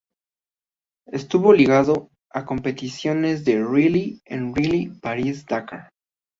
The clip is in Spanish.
Estuvo ligado a competiciones de Rally en el Rally París--Dakar.